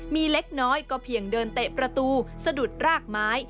มีเล็กน้อยก็เพียงเดินเตะประตูสะดุดรากไม้